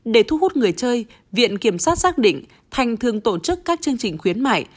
để thu hút người chơi viện kiểm sát xác định thành thường tổ chức các chương trình khuyến mại